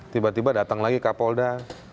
tiba tiba datang lagi kak polda